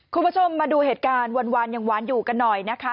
คุณผู้ชมมาดูเหตุการณ์หวานยังหวานอยู่กันหน่อยนะคะ